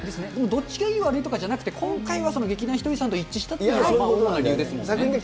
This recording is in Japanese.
どっちがいい、悪いとかじゃなくて、今回は劇団ひとりさんと一致したっていうのが主な理由ですもんね。